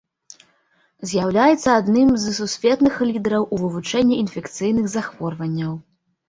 З'яўляецца адным з сусветных лідараў у вывучэнні інфекцыйных захворванняў.